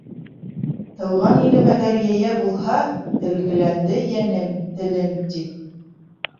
Тыуған илем әгәр йәйә булһа, Телгеләнде йәнем, телем, тип.